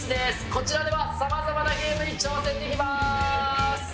こちらではさまざまなゲームに挑戦できます。